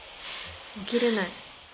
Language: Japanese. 起きれない。